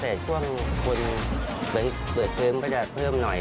แต่ช่วงคนเผิดเพิมก็จะเพิ่มหน่อย